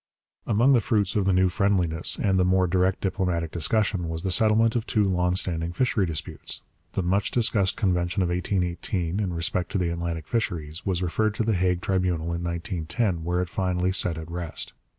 Among the fruits of the new friendliness and the more direct diplomatic discussion was the settlement of two long standing fishery disputes. The much discussed Convention of 1818, in respect to the Atlantic fisheries, was referred to the Hague Tribunal in 1910, where it was finally set at rest.